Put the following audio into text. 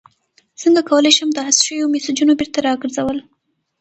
څنګه کولی شم د حذف شویو میسجونو بیرته راګرځول